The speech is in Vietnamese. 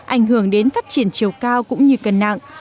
ảnh hưởng đến phát triển chiều cao cũng như cân nặng